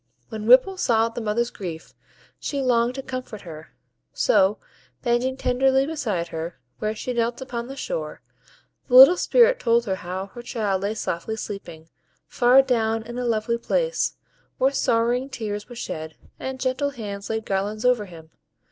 When Ripple saw the mother's grief, she longed to comfort her; so, bending tenderly beside her, where she knelt upon the shore, the little Spirit told her how her child lay softly sleeping, far down in a lovely place, where sorrowing tears were shed, and gentle hands laid garlands over him.